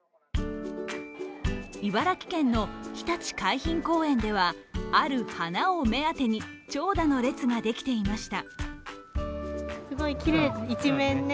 茨城県のひたち海浜公園ではある花を目当てに長蛇の列ができていました。